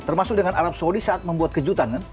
termasuk dengan arab saudi saat membuat kejutan kan